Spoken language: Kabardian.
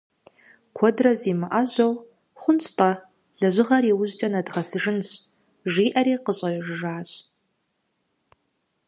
Куэдрэ зимыӏэжьэу «хъунщ-тӏэ, лэжьыгъэр иужькӏэ нэдгъэсыжынщ»,— жиӏэри къыщӏэжыжащ.